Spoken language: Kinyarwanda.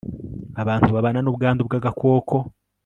abantu babana n'ubwandu bw'agakoko